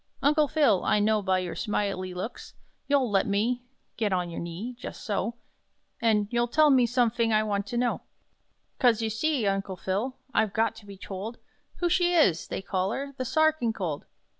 "Uncle Phil, I know by your smile y looks You'll let me get on your knee jus' so An' you'll tell me somefing I want to know: 'Cos, you see, Uncle Phil, I've got to be told Who she is they call her 'The Sa archinkold.'"